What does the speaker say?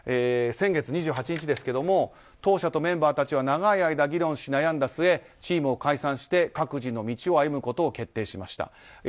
先月２８日ですけれども当社とメンバーたちは長い間議論し悩んだ末チームを解散して各自の道を歩むことを決定しました。